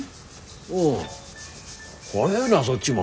おう早えなそっちも。